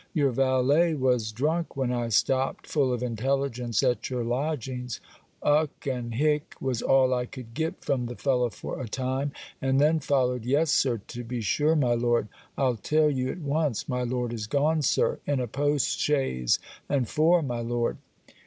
Your valet was drunk when I stopped full of intelligence at your lodgings. Uc and Hic was all I could get from the fellow for a time and then followed 'Yes, Sir, to be sure, my Lord I'll tell you at once my Lord is gone, Sir, in a post chaise and four, my Lord.'